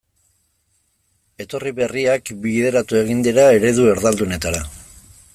Etorri berriak bideratu egin dira eredu erdaldunetara.